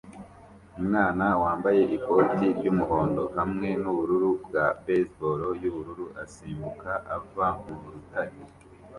Umwana wambaye ikoti ry'umuhondo hamwe nubururu bwa baseball yubururu asimbuka ava mu rutare